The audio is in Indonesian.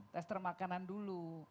tester makanan dulu